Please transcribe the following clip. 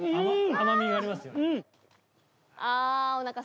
甘みがありますよね。